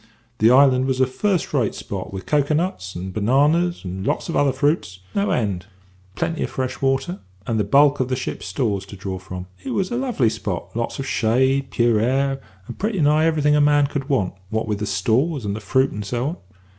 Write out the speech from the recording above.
"The island was a first rate spot, with cocoa nuts and bananas, and lots of other fruits, no end; plenty of fresh water, and the bulk of the ship's stores to draw from. It was a lovely spot; lots of shade, pure air, and pretty nigh everything a man could want, what with the stores, and the fruit, and so on.